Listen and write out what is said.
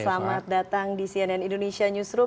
selamat datang di cnn indonesia newsroom